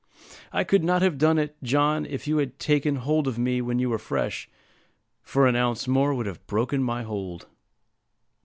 "I could not have done it, John, if you had taken hold of me when you were fresh, for an ounce more would have broken my hold."